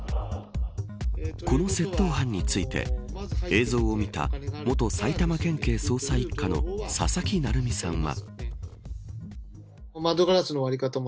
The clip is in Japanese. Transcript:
この窃盗犯について映像を見た元埼玉県警捜査一課の佐々木成三さんは。